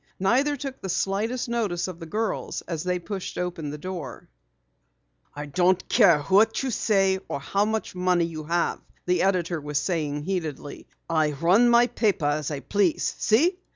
Neither took the slightest notice of the girls as they pushed open the door. "I don't care who you are or how much money you have," the editor was saying heatedly. "I run my paper as I please see!